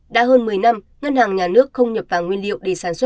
đã hơn một mươi năm ngân hàng nhà nước không nhập vàng nguyên liệu